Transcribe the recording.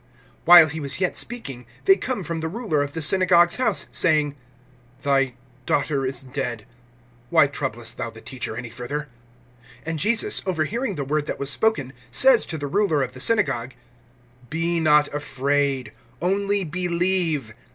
(35)While he was yet speaking, they come from the ruler of the synagogue's house, saying: Thy daughter is dead; why troublest thou the Teacher any further? (36)And Jesus, overhearing the word that was spoken, says to the ruler of the synagogue: Be not afraid; only believe.